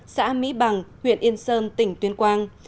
xã mỹ bằng huyện yên sơn tỉnh tuyên quang